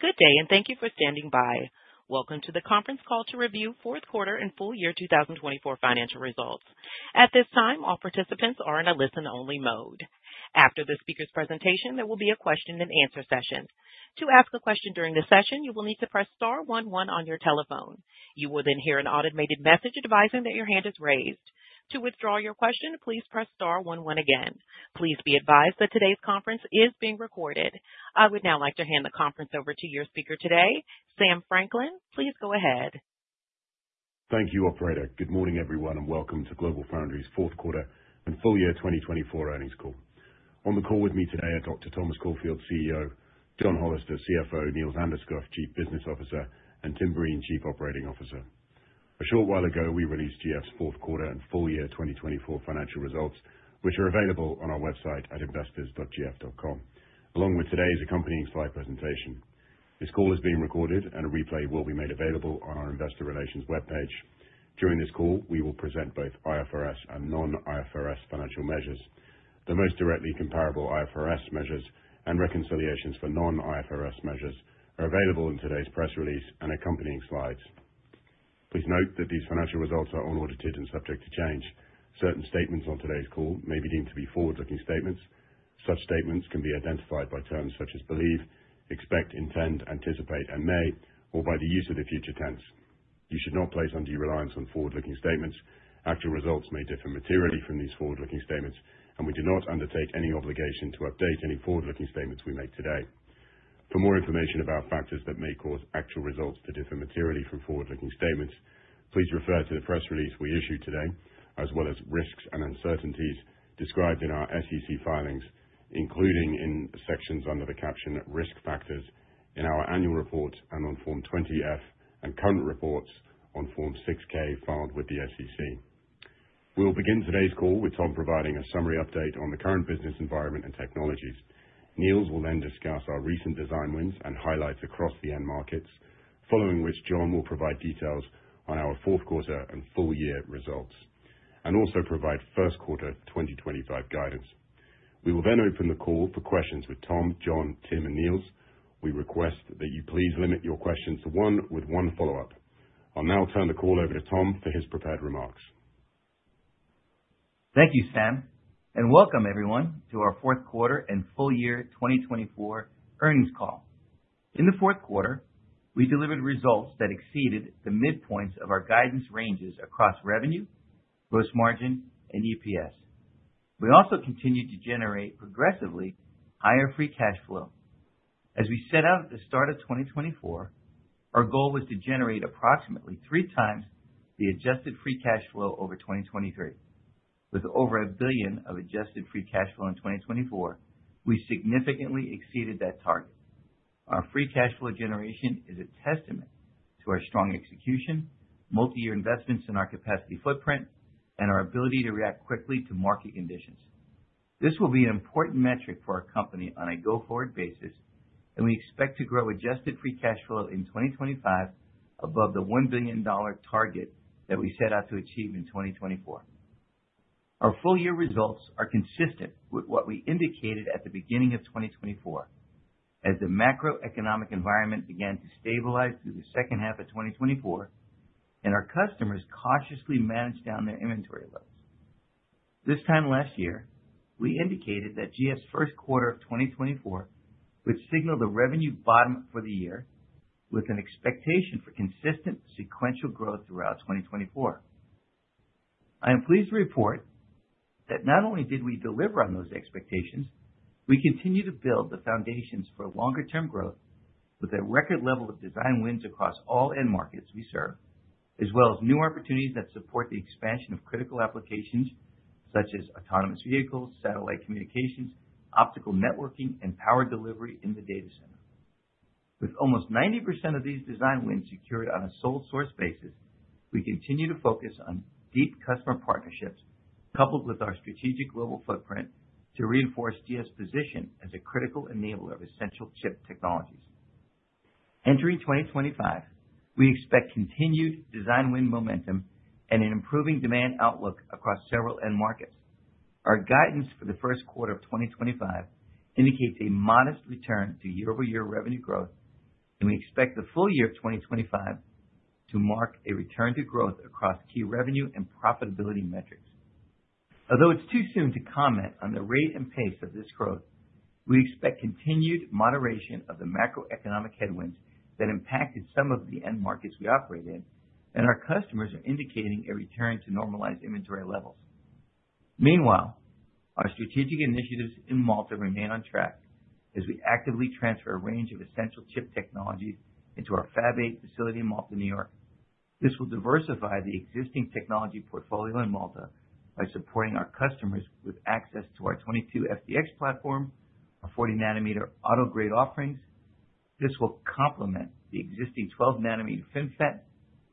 Good day, and thank you for standing by. Welcome to the conference call to review fourth quarter and full year 2024 financial results. At this time, all participants are in a listen-only mode. After the speaker's presentation, there will be a question-and-answer session. To ask a question during the session, you will need to press star one one on your telephone. You will then hear an automated message advising that your hand is raised. To withdraw your question, please press star one one again. Please be advised that today's conference is being recorded. I would now like to hand the conference over to your speaker today, Sam Franklin. Please go ahead. Thank you, Operator. Good morning, everyone, and welcome to GlobalFoundries' fourth quarter and full year 2024 earnings call. On the call with me today are Dr. Thomas Caulfield, CEO, John Hollister, CFO, Niels Anderskouv, Chief Business Officer, and Tim Breen, Chief Operating Officer. A short while ago, we released GF's fourth quarter and full year 2024 financial results, which are available on our website at investors.gf.com, along with today's accompanying slide presentation. This call is being recorded, and a replay will be made available on our investor relations webpage. During this call, we will present both IFRS and non-IFRS financial measures. The most directly comparable IFRS measures and reconciliations for non-IFRS measures are available in today's press release and accompanying slides. Please note that these financial results are unaudited and subject to change. Certain statements on today's call may be deemed to be forward-looking statements. Such statements can be identified by terms such as believe, expect, intend, anticipate, and may, or by the use of the future tense. You should not place undue reliance on forward-looking statements. Actual results may differ materially from these forward-looking statements, and we do not undertake any obligation to update any forward-looking statements we make today. For more information about factors that may cause actual results to differ materially from forward-looking statements, please refer to the press release we issued today, as well as risks and uncertainties described in our SEC filings, including in sections under the caption risk factors in our annual reports and on Form 20-F and current reports on Form 6-K filed with the SEC. We'll begin today's call with Tom providing a summary update on the current business environment and technologies. Niels will then discuss our recent design wins and highlights across the end markets, following which John will provide details on our fourth quarter and full-year results, and also provide first quarter 2025 guidance. We will then open the call for questions with Tom, John, Tim, and Niels. We request that you please limit your questions to one with one follow-up. I'll now turn the call over to Tom for his prepared remarks. Thank you, Sam, and welcome, everyone, to our fourth quarter and full year 2024 earnings call. In the fourth quarter, we delivered results that exceeded the midpoints of our guidance ranges across revenue, gross margin, and EPS. We also continued to generate progressively higher free cash flow. As we set out at the start of 2024, our goal was to generate approximately three times the adjusted free cash flow over 2023. With over $1 billion of adjusted free cash flow in 2024, we significantly exceeded that target. Our free cash flow generation is a testament to our strong execution, multi-year investments in our capacity footprint, and our ability to react quickly to market conditions. This will be an important metric for our company on a go-forward basis, and we expect to grow adjusted free cash flow in 2025 above the $1-billion target that we set out to achieve in 2024. Our full-year results are consistent with what we indicated at the beginning of 2024, as the macroeconomic environment began to stabilize through the second half of 2024, and our customers cautiously managed down their inventory levels. This time last year, we indicated that GF's first quarter of 2024 would signal the revenue bottom for the year, with an expectation for consistent sequential growth throughout 2024. I am pleased to report that not only did we deliver on those expectations. We continue to build the foundations for longer-term growth with a record level of design wins across all end markets we serve, as well as new opportunities that support the expansion of critical applications such as autonomous vehicles, satellite communications, optical networking, and power delivery in the data center. With almost 90% of these design wins secured on a sole-source basis, we continue to focus on deep customer partnerships coupled with our strategic global footprint to reinforce GF's position as a critical enabler of essential chip technologies. Entering 2025, we expect continued design win momentum and an improving demand outlook across several end markets. Our guidance for the first quarter of 2025 indicates a modest return to year-over-year revenue growth, and we expect the full year of 2025 to mark a return to growth across key revenue and profitability metrics. Although it's too soon to comment on the rate and pace of this growth, we expect continued moderation of the macroeconomic headwinds that impacted some of the end markets we operate in, and our customers are indicating a return to normalized inventory levels. Meanwhile, our strategic initiatives in Malta remain on track as we actively transfer a range of essential chip technologies into our Fab 8 facility in Malta, New York. This will diversify the existing technology portfolio in Malta by supporting our customers with access to our 22FDX platform, our 40-nm auto-grade offerings. This will complement the existing 12-nm FinFET,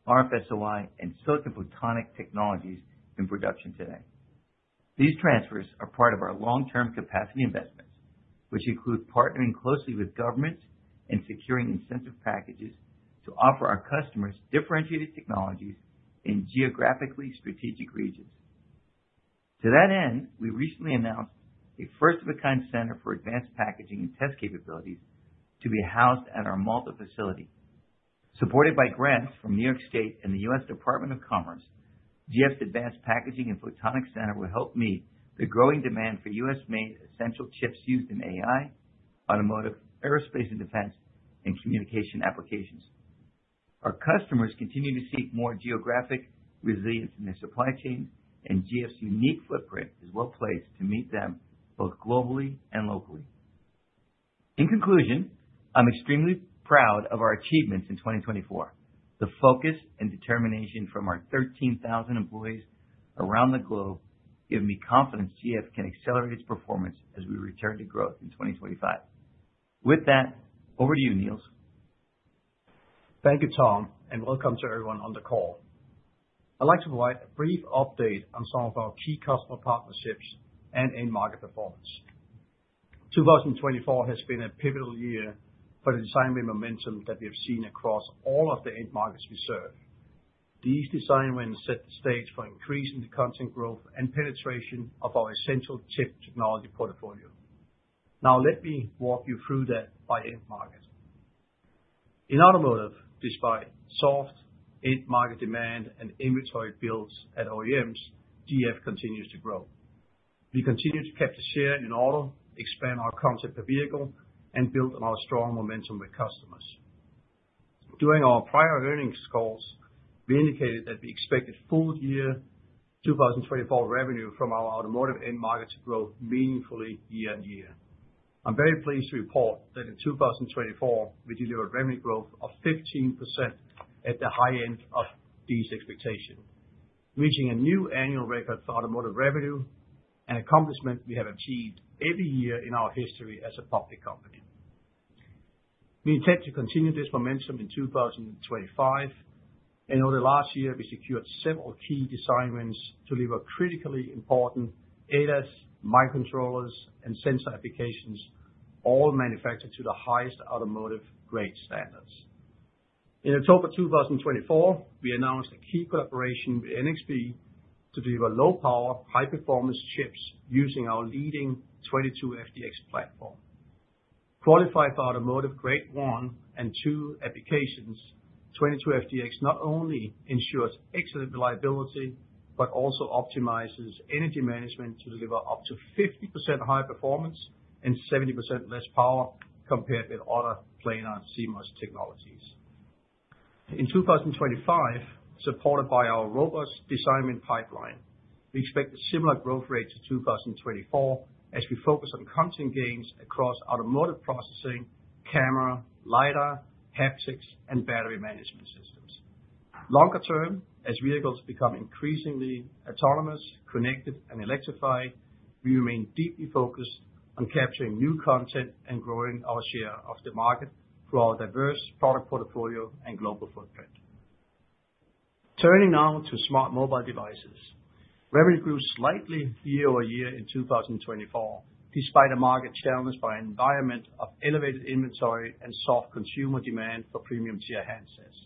RFSOI, and silicon photonic technologies in production today. These transfers are part of our long-term capacity investments, which include partnering closely with governments and securing incentive packages to offer our customers differentiated technologies in geographically strategic regions. To that end, we recently announced a first-of-a-kind center for advanced packaging and test capabilities to be housed at our Malta facility. Supported by grants from New York State and the U.S. Department of Commerce, GF's Advanced Packaging and Photonics Center will help meet the growing demand for U.S.-made essential chips used in AI, automotive, aerospace, and defense, and communication applications. Our customers continue to seek more geographic resilience in their supply chains, and GF's unique footprint is well placed to meet them both globally and locally. In conclusion, I'm extremely proud of our achievements in 2024. The focus and determination from our 13,000 employees around the globe give me confidence GF can accelerate its performance as we return to growth in 2025. With that, over to you, Niels. Thank you, Tom, and welcome to everyone on the call. I'd like to provide a brief update on some of our key customer partnerships and end market performance. 2024 has been a pivotal year for the design win momentum that we have seen across all of the end markets we serve. These design wins set the stage for increasing the content growth and penetration of our essential chip technology portfolio. Now, let me walk you through that by end market. In automotive, despite soft end market demand and inventory builds at OEMs, GF continues to grow. We continue to capture share in auto, expand our content per vehicle, and build on our strong momentum with customers. During our prior earnings calls, we indicated that we expected full year 2024 revenue from our automotive end market to grow meaningfully year-on-year. I'm very pleased to report that in 2024, we delivered revenue growth of 15% at the high end of these expectations, reaching a new annual record for automotive revenue and accomplishments we have achieved every year in our history as a public company. We intend to continue this momentum in 2025, and over the last year, we secured several key design wins to deliver critically important ADAS, microcontrollers, and sensor applications, all manufactured to the highest automotive grade standards. In October 2024, we announced a key collaboration with NXP to deliver low-power, high-performance chips using our leading 22FDX platform. Qualified for automotive grade 1 and 2 applications, 22FDX not only ensures excellent reliability but also optimizes energy management to deliver up to 50% higher performance and 70% less power compared with other planar CMOS technologies. In 2025, supported by our robust design win pipeline, we expect a similar growth rate to 2024 as we focus on content gains across automotive processing, camera, LiDAR, haptics, and battery management systems. Longer term, as vehicles become increasingly autonomous, connected, and electrified, we remain deeply focused on capturing new content and growing our share of the market through our diverse product portfolio and global footprint. Turning now to smart mobile devices, revenue grew slightly year-over-year in 2024, despite a market challenged by an environment of elevated inventory and soft consumer demand for premium-tier handsets.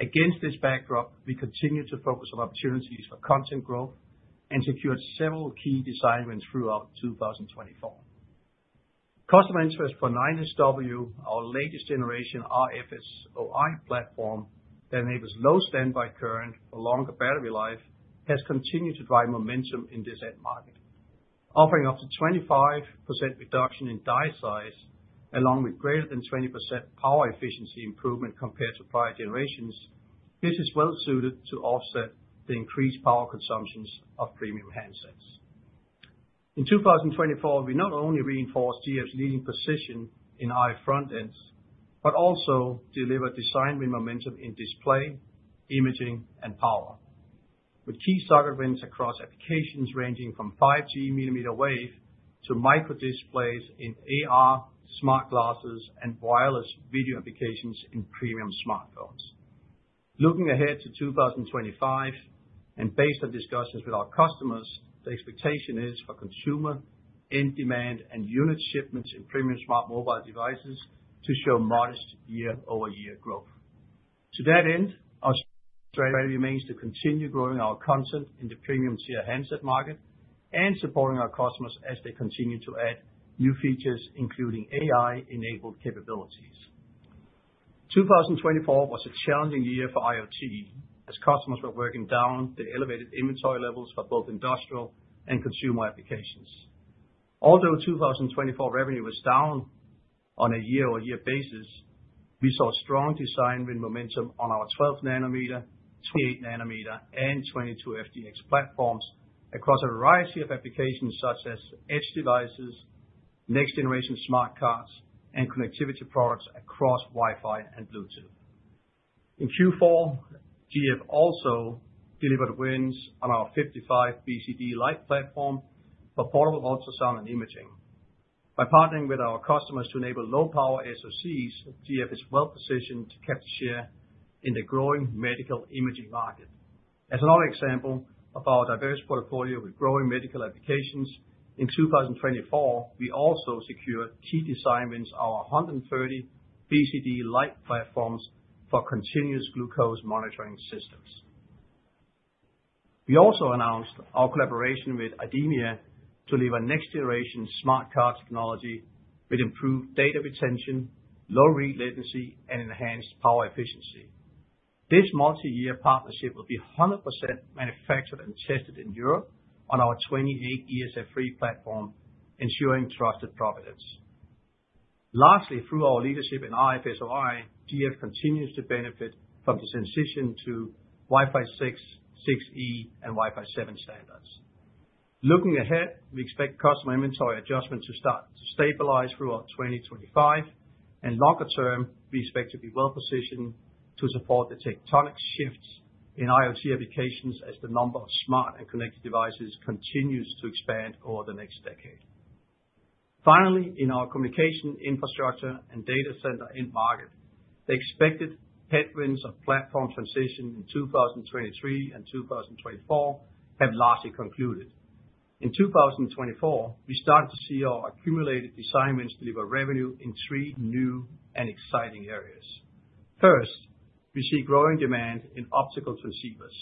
Against this backdrop, we continue to focus on opportunities for content growth and secured several key design wins throughout 2024. Customer interest for 9SW, our latest generation RFSOI platform that enables low standby current for longer battery life, has continued to drive momentum in this end market. Offering up to 25% reduction in die size, along with greater than 20% power efficiency improvement compared to prior generations, this is well-suited to offset the increased power consumptions of premium handsets. In 2024, we not only reinforced GF's leading position in our front ends but also delivered design win momentum in display, imaging, and power, with key startup wins across applications ranging from 5G mmWave to micro-displays in AR, smart glasses, and wireless video applications in premium smartphones. Looking ahead to 2025, and based on discussions with our customers, the expectation is for consumer end demand and unit shipments in premium smart mobile devices to show modest year-over-year growth. To that end, our strategy remains to continue growing our content in the premium-tier handset market and supporting our customers as they continue to add new features, including AI-enabled capabilities. 2024 was a challenging year for IoT, as customers were working down the elevated inventory levels for both industrial and consumer applications. Although 2024 revenue was down on a year-over-year basis, we saw strong design win momentum on our 12-nm, 28-nm, and 22FDX platforms across a variety of applications such as edge devices, next-generation smart cards, and connectivity products across Wi-Fi and Bluetooth. In Q4, GF also delivered wins on our 55 BCD Lite platform for portable ultrasound and imaging. By partnering with our customers to enable low-power SoCs, GF is well-positioned to capture share in the growing medical imaging market. As another example of our diverse portfolio with growing medical applications, in 2024, we also secured key design wins, our 130 BCD Lite platforms for continuous glucose monitoring systems. We also announced our collaboration with IDEMIA to deliver next-generation smart card technology with improved data retention, low read latency, and enhanced power efficiency. This multi-year partnership will be 100% manufactured and tested in Europe on our 28 ESF3 platform, ensuring trusted provenance. Lastly, through our leadership in RFSOI, GF continues to benefit from the transition to Wi-Fi 6, 6E, and Wi-Fi 7 standards. Looking ahead, we expect customer inventory adjustments to start to stabilize throughout 2025, and longer term, we expect to be well-positioned to support the tectonic shifts in IoT applications as the number of smart and connected devices continues to expand over the next decade. Finally, in our communication infrastructure and data center end market, the expected headwinds of platform transition in 2023 and 2024 have largely concluded. In 2024, we started to see our accumulated design wins deliver revenue in three new and exciting areas. First, we see growing demand in optical transceivers.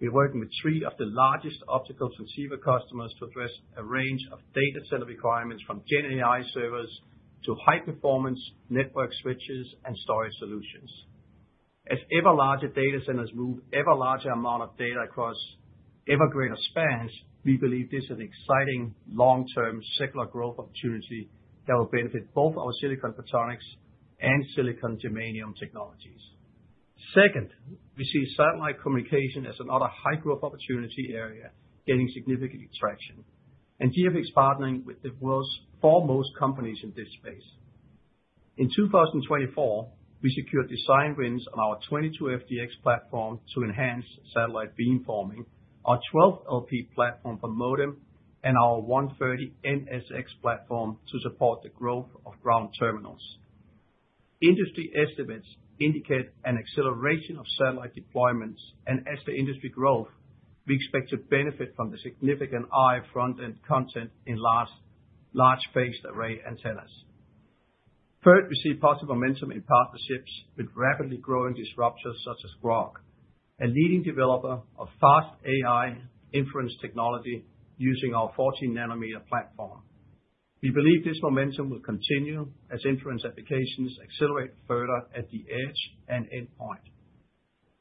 We're working with three of the largest optical transceiver customers to address a range of data center requirements from GenAI servers to high-performance network switches and storage solutions. As ever-larger data centers move ever-larger amounts of data across ever greater spans, we believe this is an exciting long-term secular growth opportunity that will benefit both our silicon photonics and silicon germanium technologies. Second, we see satellite communication as another high-growth opportunity area gaining significant traction, and GF is partnering with the world's foremost companies in this space. In 2024, we secured design wins on our 22FDX platform to enhance satellite beamforming, our 12LP platform for modem, and our 130NSX platform to support the growth of ground terminals. Industry estimates indicate an acceleration of satellite deployments, and as the industry grows, we expect to benefit from the significant RF front-end content in large phased-array antennas. Third, we see positive momentum in partnerships with rapidly growing disruptors such as Groq, a leading developer of fast AI inference technology using our 14-nm platform. We believe this momentum will continue as inference applications accelerate further at the edge and endpoint.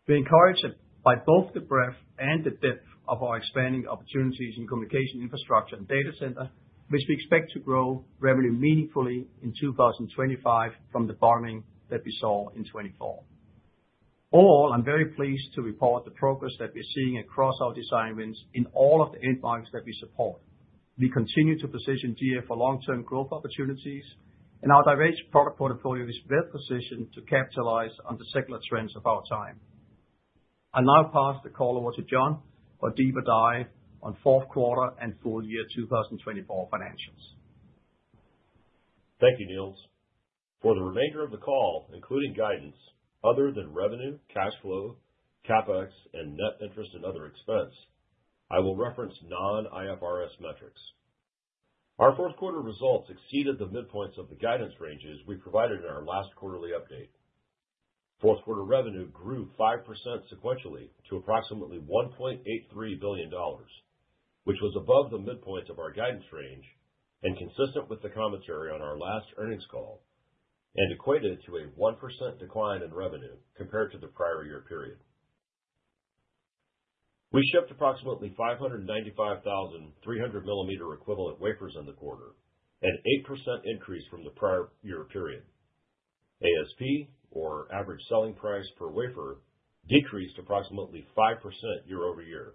We're encouraged by both the breadth and the depth of our expanding opportunities in communication infrastructure and data center, which we expect to grow revenue meaningfully in 2025 from the bottoming that we saw in 2024. Overall, I'm very pleased to report the progress that we're seeing across our design wins in all of the end markets that we support. We continue to position GF for long-term growth opportunities, and our diverse product portfolio is well-positioned to capitalize on the secular trends of our time. I'll now pass the call over to John for a deeper dive on fourth quarter and full year 2024 financials. Thank you, Niels. For the remainder of the call, including guidance other than revenue, cash flow, CapEx, and net interest and other expense, I will reference non-IFRS metrics. Our fourth quarter results exceeded the midpoints of the guidance ranges we provided in our last quarterly update. Fourth quarter revenue grew 5% sequentially to approximately $1.83 billion, which was above the midpoint of our guidance range and consistent with the commentary on our last earnings call, and equated to a 1% decline in revenue compared to the prior year period. We shipped approximately 595,000 300-mm equivalent wafers in the quarter, an 8% increase from the prior year period. ASP, or average selling price per wafer, decreased approximately 5% year-over-year,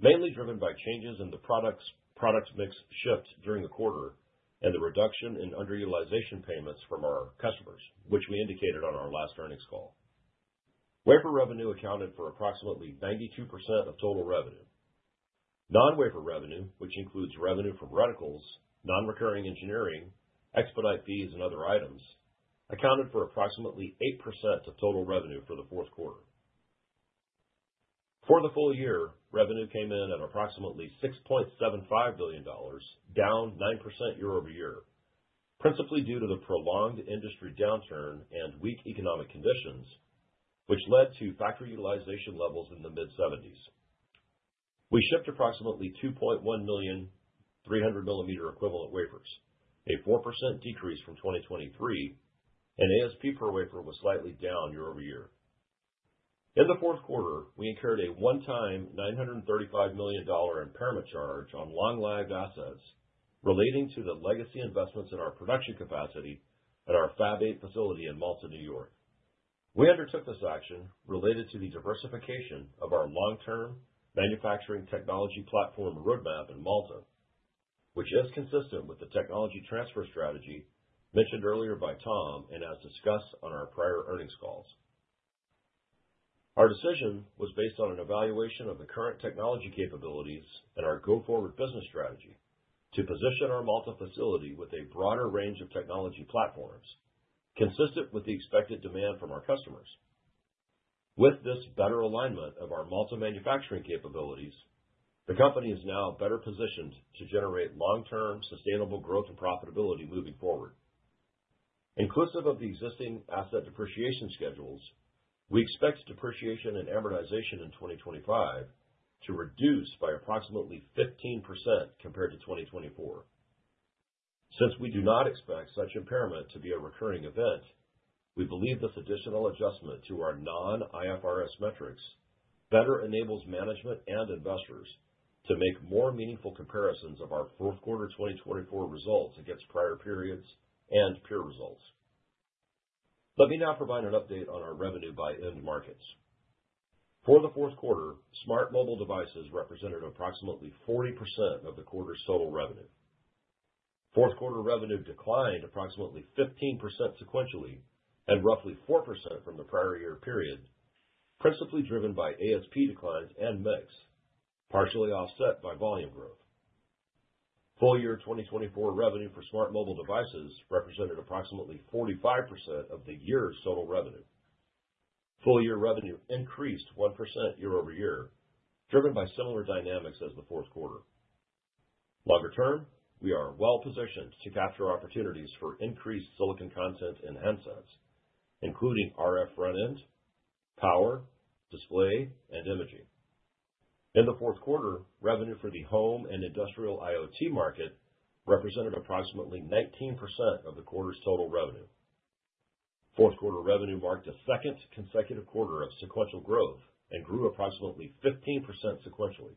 mainly driven by changes in the product mix shipped during the quarter and the reduction in underutilization payments from our customers, which we indicated on our last earnings call. Wafer revenue accounted for approximately 92% of total revenue. Non-wafer revenue, which includes revenue from reticles, non-recurring engineering, expedite fees, and other items, accounted for approximately 8% of total revenue for the fourth quarter. For the full year, revenue came in at approximately $6.75 billion, down 9% year-over-year, principally due to the prolonged industry downturn and weak economic conditions, which led to factory utilization levels in the mid-70s. We shipped approximately 2.1 million 300-mm equivalent wafers, a 4% decrease from 2023, and ASP per wafer was slightly down year-over-year. In the fourth quarter, we incurred a one-time $935 million impairment charge on long-lived assets relating to the legacy investments in our production capacity at our Fab 8 facility in Malta, New York. We undertook this action related to the diversification of our long-term manufacturing technology platform roadmap in Malta, which is consistent with the technology transfer strategy mentioned earlier by Tom and as discussed on our prior earnings calls. Our decision was based on an evaluation of the current technology capabilities and our go-forward business strategy to position our Malta facility with a broader range of technology platforms consistent with the expected demand from our customers. With this better alignment of our Malta manufacturing capabilities, the company is now better positioned to generate long-term sustainable growth and profitability moving forward. Inclusive of the existing asset depreciation schedules, we expect depreciation and amortization in 2025 to reduce by approximately 15% compared to 2024. Since we do not expect such impairment to be a recurring event, we believe this additional adjustment to our non-IFRS metrics better enables management and investors to make more meaningful comparisons of our fourth quarter 2024 results against prior periods and peer results. Let me now provide an update on our revenue by end markets. For the fourth quarter, smart mobile devices represented approximately 40% of the quarter's total revenue. Fourth quarter revenue declined approximately 15% sequentially and roughly 4% from the prior year period, principally driven by ASP declines and mix, partially offset by volume growth. Full year 2024 revenue for smart mobile devices represented approximately 45% of the year's total revenue. Full year revenue increased 1% year-over-year, driven by similar dynamics as the fourth quarter. Longer term, we are well-positioned to capture opportunities for increased silicon content in handsets, including RF front-end, power, display, and imaging. In the fourth quarter, revenue for the home and industrial IoT market represented approximately 19% of the quarter's total revenue. Fourth quarter revenue marked the second consecutive quarter of sequential growth and grew approximately 15% sequentially.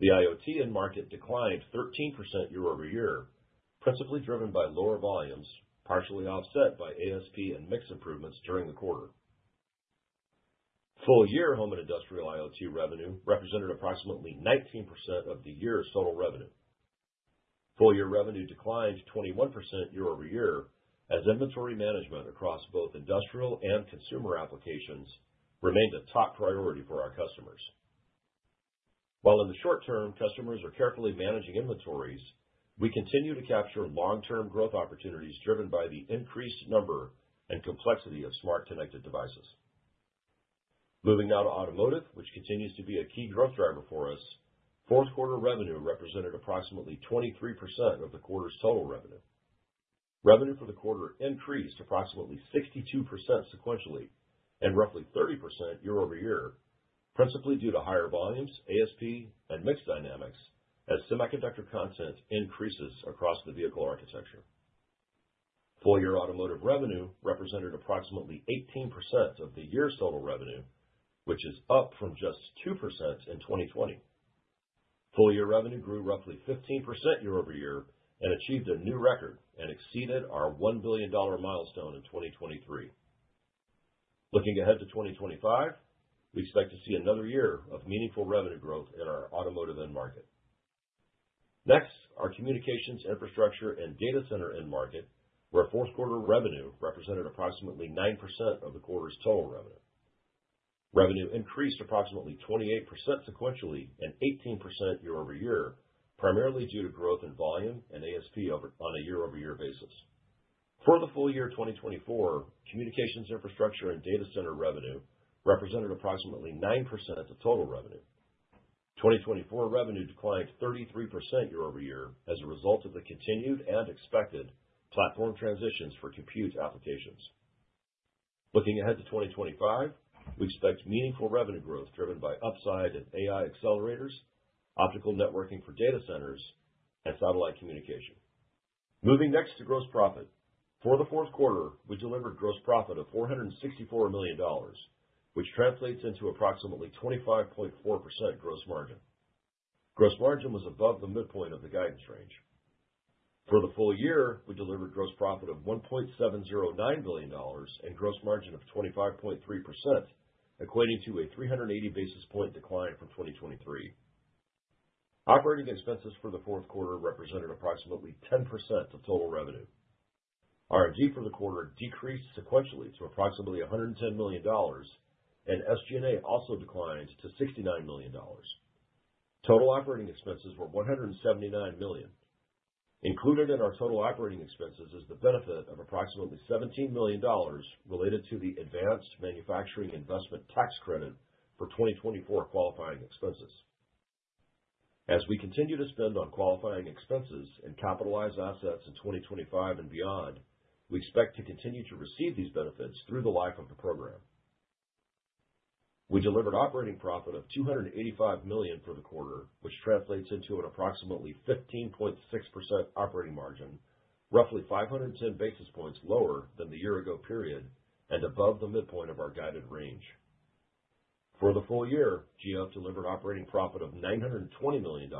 The IoT end market declined 13% year-over-year, principally driven by lower volumes, partially offset by ASP and mix improvements during the quarter. Full-year home and industrial IoT revenue represented approximately 19% of the year's total revenue. Full-year revenue declined 21% year-over-year as inventory management across both industrial and consumer applications remained a top priority for our customers. While in the short term, customers are carefully managing inventories, we continue to capture long-term growth opportunities driven by the increased number and complexity of smart connected devices. Moving now to automotive, which continues to be a key growth driver for us, fourth quarter revenue represented approximately 23% of the quarter's total revenue. Revenue for the quarter increased approximately 62% sequentially and roughly 30% year-over-year, principally due to higher volumes, ASP, and mixed dynamics as semiconductor content increases across the vehicle architecture. Full-year automotive revenue represented approximately 18% of the year's total revenue, which is up from just 2% in 2020. Full-year revenue grew roughly 15% year-over-year and achieved a new record and exceeded our $1 billion milestone in 2023. Looking ahead to 2025, we expect to see another year of meaningful revenue growth in our automotive end market. Next, our communications infrastructure and data center end market, where fourth quarter revenue represented approximately 9% of the quarter's total revenue. Revenue increased approximately 28% sequentially and 18% year-over-year, primarily due to growth in volume and ASP on a year-over-year basis. For the full year 2024, communications infrastructure and data center revenue represented approximately 9% of the total revenue. 2024 revenue declined 33% year-over-year as a result of the continued and expected platform transitions for compute applications. Looking ahead to 2025, we expect meaningful revenue growth driven by upside in AI accelerators, optical networking for data centers, and satellite communication. Moving next to gross profit. For the fourth quarter, we delivered gross profit of $464 million, which translates into approximately 25.4% gross margin. Gross margin was above the midpoint of the guidance range. For the full year, we delivered gross profit of $1.709 billion and gross margin of 25.3%, equating to a 380 basis points decline from 2023. Operating expenses for the fourth quarter represented approximately 10% of total revenue. R&D for the quarter decreased sequentially to approximately $110 million, and SG&A also declined to $69 million. Total operating expenses were $179 million. Included in our total operating expenses is the benefit of approximately $17 million related to the Advanced Manufacturing Investment Tax Credit for 2024 qualifying expenses. As we continue to spend on qualifying expenses and capitalize assets in 2025 and beyond, we expect to continue to receive these benefits through the life of the program. We delivered operating profit of $285 million for the quarter, which translates into an approximately 15.6% operating margin, roughly 510 basis points lower than the year-ago period and above the midpoint of our guided range. For the full year, GF delivered operating profit of $920 million,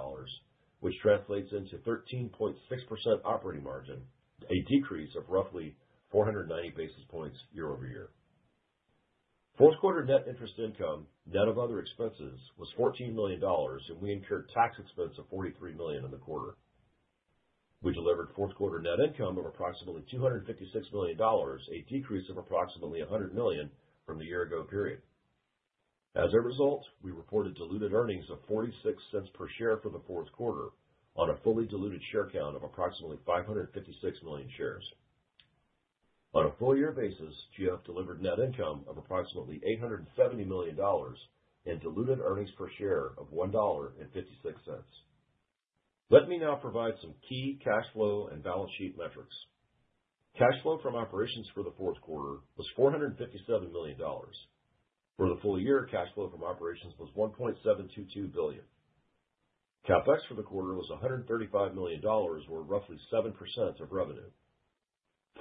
which translates into 13.6% operating margin, a decrease of roughly 490 basis points year-over-year. Fourth quarter net interest income, net of other expenses, was $14 million, and we incurred tax expense of $43 million in the quarter. We delivered fourth quarter net income of approximately $256 million, a decrease of approximately $100 million from the year-ago period. As a result, we reported diluted earnings of $0.46 per share for the fourth quarter on a fully diluted share count of approximately 556 million shares. On a full-year basis, GF delivered net income of approximately $870 million and diluted earnings per share of $1.56. Let me now provide some key cash flow and balance sheet metrics. Cash flow from operations for the fourth quarter was $457 million. For the full year, cash flow from operations was $1.722 billion. CapEx for the quarter was $135 million, or roughly 7% of revenue.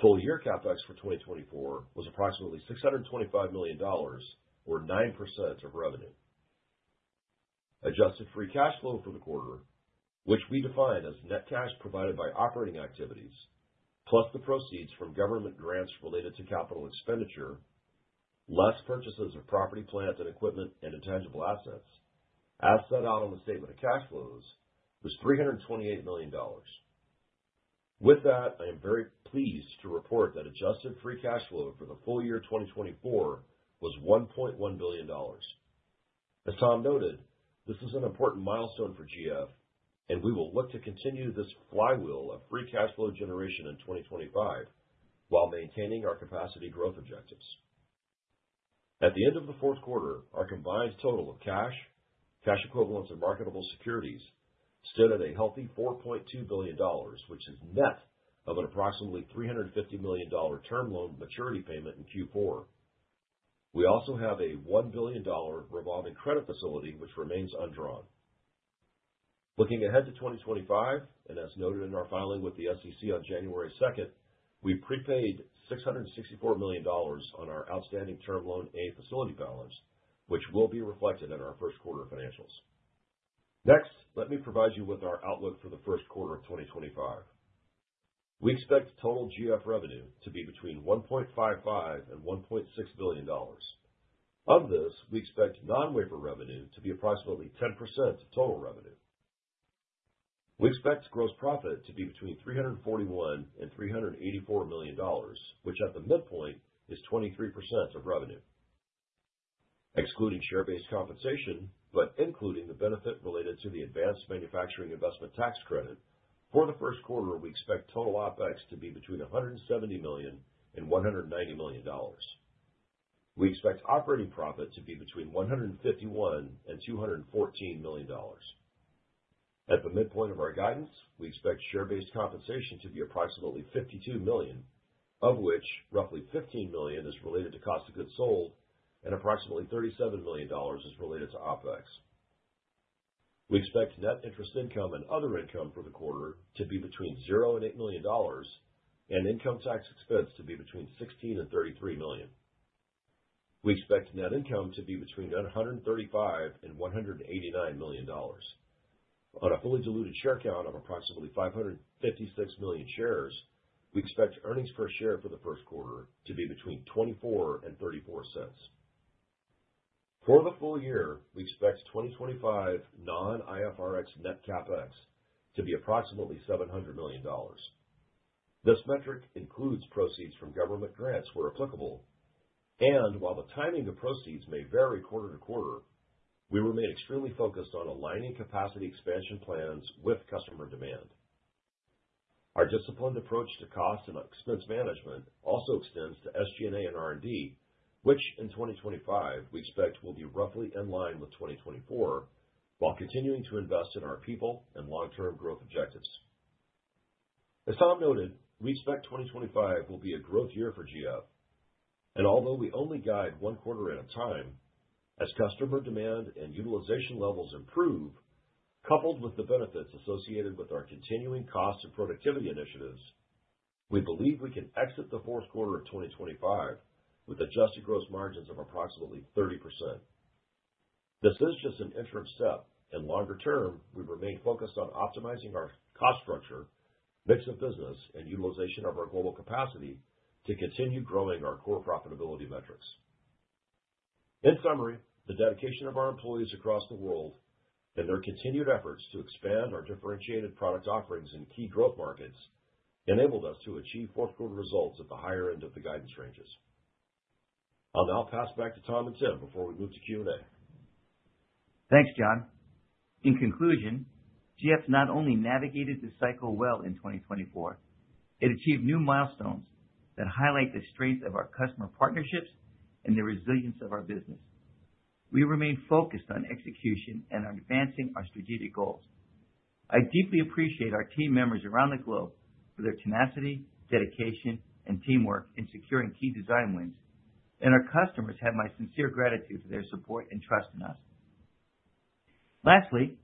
Full-year CapEx for 2024 was approximately $625 million, or 9% of revenue. Adjusted free cash flow for the quarter, which we define as net cash provided by operating activities, plus the proceeds from government grants related to capital expenditure, less purchases of property, plants, and equipment, and intangible assets, as set out on the statement of cash flows, was $328 million. With that, I am very pleased to report that adjusted free cash flow for the full year 2024 was $1.1 billion. As Tom noted, this is an important milestone for GF, and we will look to continue this flywheel of free cash flow generation in 2025 while maintaining our capacity growth objectives. At the end of the fourth quarter, our combined total of cash, cash equivalents, and marketable securities stood at a healthy $4.2 billion, which is net of an approximately $350 million term loan maturity payment in Q4. We also have a $1 billion revolving credit facility which remains undrawn. Looking ahead to 2025, and as noted in our filing with the SEC on January 2nd, we prepaid $664 million on our outstanding term loan A facility balance, which will be reflected in our first quarter financials. Next, let me provide you with our outlook for the first quarter of 2025. We expect total GF revenue to be between $1.55 and $1.6 billion. Of this, we expect non-wafer revenue to be approximately 10% of total revenue. We expect gross profit to be between $341 and $384 million, which at the midpoint is 23% of revenue. Excluding share-based compensation, but including the benefit related to the advanced manufacturing investment tax credit, for the first quarter, we expect total OpEx to be between $170 million and $190 million. We expect operating profit to be between $151 and $214 million. At the midpoint of our guidance, we expect share-based compensation to be approximately $52 million, of which roughly $15 million is related to cost of goods sold and approximately $37 million is related to OpEx. We expect net interest income and other income for the quarter to be between $0 and $8 million, and income tax expense to be between $16 and $33 million. We expect net income to be between $135 and $189 million. On a fully diluted share count of approximately 556 million shares, we expect earnings per share for the first quarter to be between $0.24 and $0.34. For the full year, we expect 2025 non-IFRS net CapEx to be approximately $700 million. This metric includes proceeds from government grants where applicable, and while the timing of proceeds may vary quarter to quarter, we remain extremely focused on aligning capacity expansion plans with customer demand. Our disciplined approach to cost and expense management also extends to SG&A and R&D, which in 2025 we expect will be roughly in line with 2024 while continuing to invest in our people and long-term growth objectives. As Tom noted, we expect 2025 will be a growth year for GF, and although we only guide one quarter at a time, as customer demand and utilization levels improve, coupled with the benefits associated with our continuing cost and productivity initiatives, we believe we can exit the fourth quarter of 2025 with adjusted gross margins of approximately 30%. This is just an interim step, and longer term, we remain focused on optimizing our cost structure, mix of business, and utilization of our global capacity to continue growing our core profitability metrics. In summary, the dedication of our employees across the world and their continued efforts to expand our differentiated product offerings in key growth markets enabled us to achieve fourth quarter results at the higher end of the guidance ranges. I'll now pass back to Tom and Tim before we move to Q&A. Thanks, John. In conclusion, GF not only navigated the cycle well in 2024. It achieved new milestones that highlight the strength of our customer partnerships and the resilience of our business. We remain focused on execution and on advancing our strategic goals. I deeply appreciate our team members around the globe for their tenacity, dedication, and teamwork in securing key design wins, and our customers have my sincere gratitude for their support and trust in us. Lastly,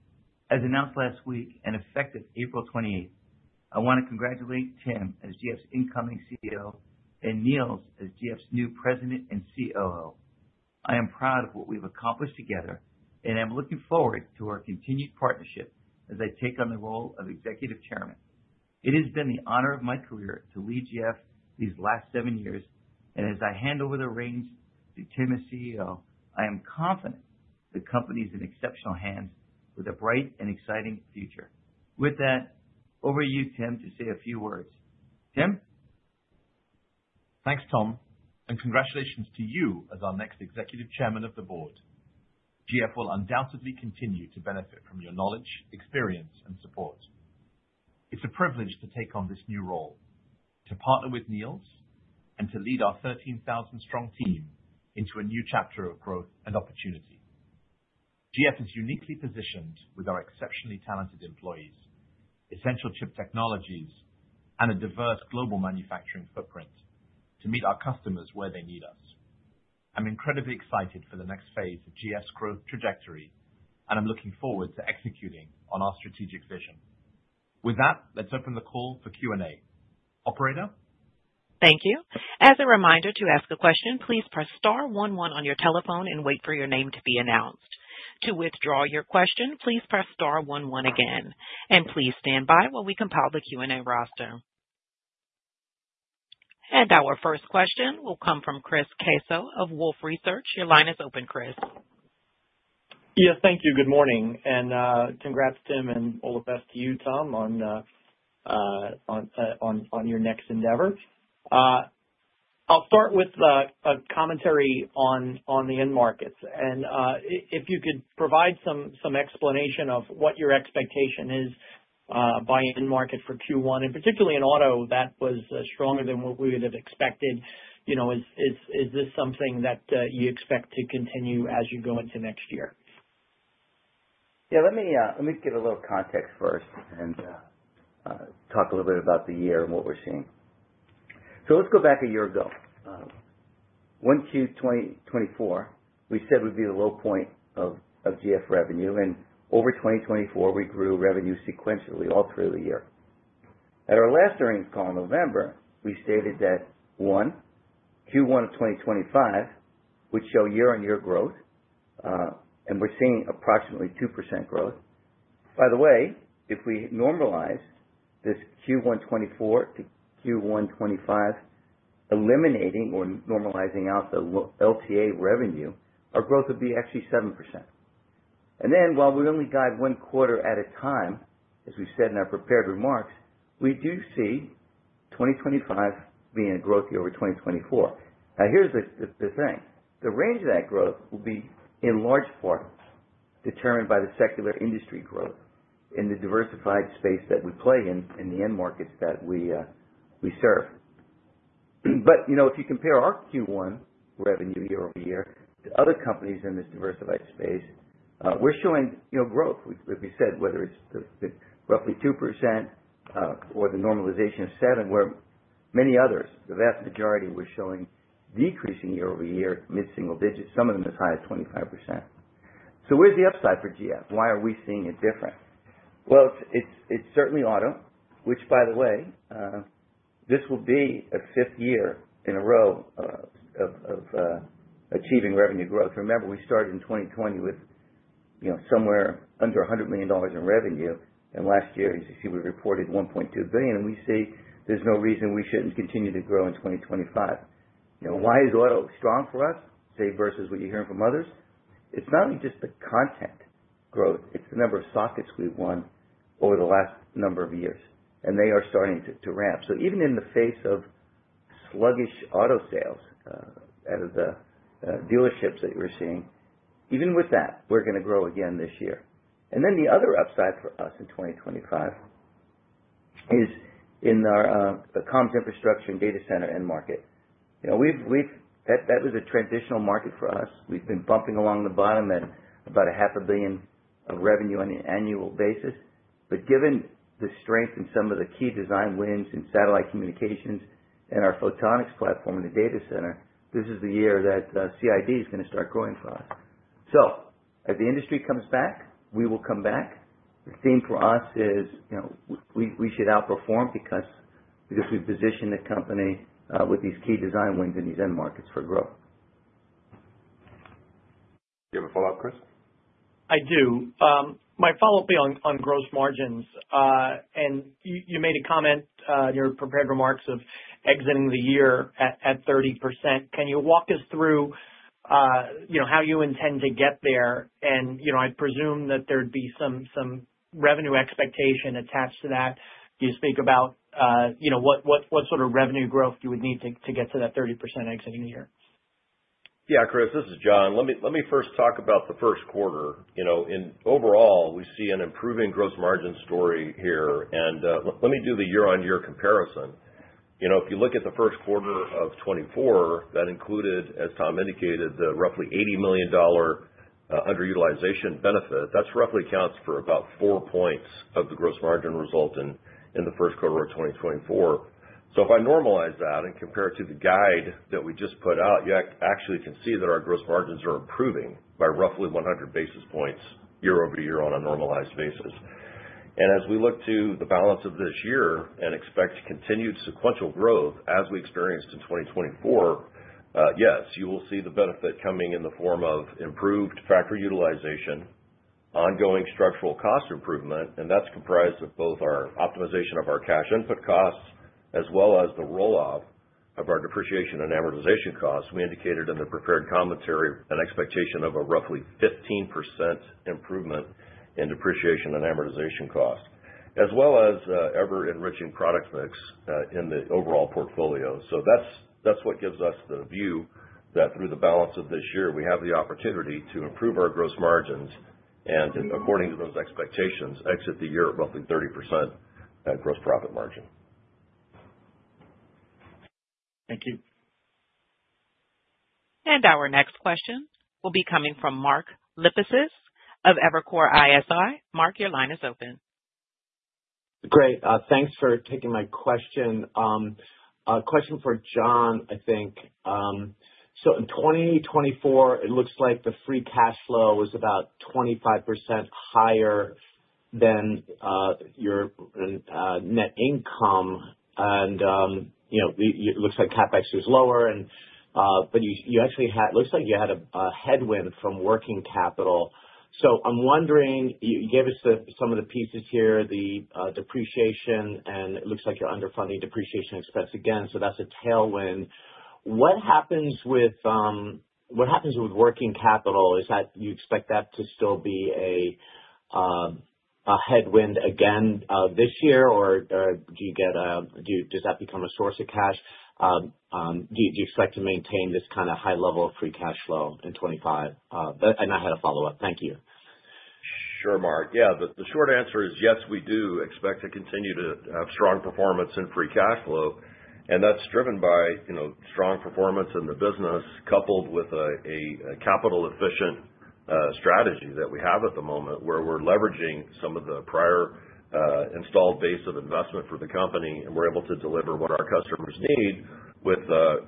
as announced last week and effective April 28th, I want to congratulate Tim as GF's incoming CEO and Niels as GF's new President and COO. I am proud of what we've accomplished together, and I'm looking forward to our continued partnership as I take on the role of Executive Chairman. It has been the honor of my career to lead GF these last seven years, and as I hand over the reins to Tim as CEO, I am confident the company is in exceptional hands with a bright and exciting future. With that, over to you, Tim, to say a few words. Tim? Thanks, Tom, and congratulations to you as our next Executive Chairman of the Board. GF will undoubtedly continue to benefit from your knowledge, experience, and support. It's a privilege to take on this new role, to partner with Niels, and to lead our 13,000-strong team into a new chapter of growth and opportunity. GF is uniquely positioned with our exceptionally talented employees, essential chip technologies, and a diverse global manufacturing footprint to meet our customers where they need us. I'm incredibly excited for the next phase of GF's growth trajectory, and I'm looking forward to executing on our strategic vision. With that, let's open the call for Q&A. Operator? Thank you. As a reminder to ask a question, please press star one one on your telephone and wait for your name to be announced. To withdraw your question, please press star one one again. And please stand by while we compile the Q&A roster. And our first question will come from Chris Caso of Wolfe Research. Your line is open, Chris. Yeah, thank you. Good morning, and congrats, Tim, and all the best to you, Tom, on your next endeavor. I'll start with a commentary on the end markets. And if you could provide some explanation of what your expectation is by end market for Q1, and particularly in auto, that was stronger than what we would have expected. Is this something that you expect to continue as you go into next year? Yeah, let me give a little context first and talk a little bit about the year and what we're seeing. So let's go back a year ago. 1Q 2024, we said would be the low point of GF revenue, and over 2024, we grew revenue sequentially all through the year. At our last earnings call in November, we stated that one, Q1 of 2025 would show year-on-year growth, and we're seeing approximately 2% growth. By the way, if we normalize this Q1 2024 to Q1 2025, eliminating or normalizing out the LTA revenue, our growth would be actually 7%. And then, while we only guide one quarter at a time, as we said in our prepared remarks, we do see 2025 being a growth year over 2024. Now, here's the thing. The range of that growth will be in large part determined by the secular industry growth in the diversified space that we play in and the end markets that we serve, but if you compare our Q1 revenue year-over-year to other companies in this diversified space, we're showing growth, like we said, whether it's roughly 2% or the normalization of 7%, where many others, the vast majority, we're showing decreasing year-over-year, mid-single digits, some of them as high as 25%, so where's the upside for GF? Why are we seeing it different? Well, it's certainly auto, which, by the way, this will be a fifth year in a row of achieving revenue growth. Remember, we started in 2020 with somewhere under $100 million in revenue, and last year, as you see, we reported $1.2 billion, and we see there's no reason we shouldn't continue to grow in 2025. Why is auto strong for us, say, versus what you're hearing from others? It's not only just the content growth, it's the number of sockets we've won over the last number of years, and they are starting to ramp. So even in the face of sluggish auto sales out of the dealerships that you're seeing, even with that, we're going to grow again this year. And then the other upside for us in 2025 is in our comms, infrastructure, and data center end market. That was a transitional market for us. We've been bumping along the bottom at about $500 million of revenue on an annual basis, but given the strength and some of the key design wins in satellite communications and our photonics platform in the data center, this is the year that CID is going to start growing for us. So as the industry comes back, we will come back. The theme for us is we should outperform because we position the company with these key design wins in these end markets for growth. Do you have a follow-up, Chris? I do. My follow-up will be on gross margins, and you made a comment in your prepared remarks of exiting the year at 30%. Can you walk us through how you intend to get there? And I presume that there'd be some revenue expectation attached to that. You speak about what sort of revenue growth you would need to get to that 30% exiting year. Yeah, Chris, this is John. Let me first talk about the first quarter. Overall, we see an improving gross margin story here, and let me do the year-on-year comparison. If you look at the first quarter of 2024, that included, as Tom indicated, the roughly $80 million underutilization benefit. That roughly accounts for about four points of the gross margin result in the first quarter of 2024. So if I normalize that and compare it to the guide that we just put out, you actually can see that our gross margins are improving by roughly 100 basis points year-over-year on a normalized basis. As we look to the balance of this year and expect continued sequential growth as we experienced in 2024, yes, you will see the benefit coming in the form of improved fab utilization, ongoing structural cost improvement, and that's comprised of both our optimization of our cash input costs as well as the roll-off of our depreciation and amortization costs. We indicated in the prepared commentary an expectation of a roughly 15% improvement in depreciation and amortization costs, as well as ever-enriching product mix in the overall portfolio. So that's what gives us the view that through the balance of this year, we have the opportunity to improve our gross margins and, according to those expectations, exit the year at roughly 30% gross profit margin. Thank you. Our next question will be coming from Mark Lipacis of Evercore ISI. Mark, your line is open. Great. Thanks for taking my question. Question for John, I think. So in 2024, it looks like the free cash flow was about 25% higher than your net income, and it looks like CapEx was lower, but it looks like you had a headwind from working capital. So I'm wondering, you gave us some of the pieces here, the depreciation, and it looks like you're underfunding depreciation expense again, so that's a tailwind. What happens with working capital? Is that you expect that to still be a headwind again this year, or do you get a—does that become a source of cash? Do you expect to maintain this kind of high level of free cash flow in 2025? And I had a follow-up. Thank you. Sure, Mark. Yeah, the short answer is yes, we do expect to continue to have strong performance and free cash flow, and that's driven by strong performance in the business coupled with a capital-efficient strategy that we have at the moment where we're leveraging some of the prior installed base of investment for the company, and we're able to deliver what our customers need with